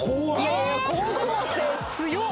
いやいや高校生強っ！